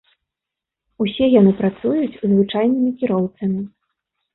Усе яны працуюць звычайнымі кіроўцамі.